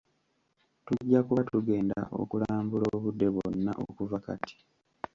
Tujja kuba tugenda okulambula obudde bwonna okuva kati.